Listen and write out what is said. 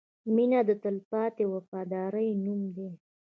• مینه د تلپاتې وفادارۍ نوم دی.